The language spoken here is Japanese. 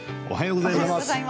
おはようございます。